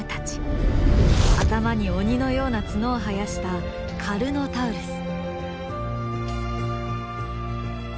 頭に鬼のようなツノを生やしたカルノタウルス。